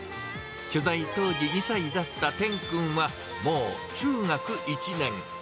取材当時２歳だった天君は、もう中学１年。